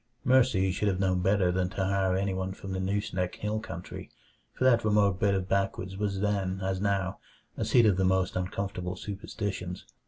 Mercy should have known better than to hire anyone from the Nooseneck Hill country, for that remote bit of backwoods was then, as now, a seat of the most uncomfortable superstitions.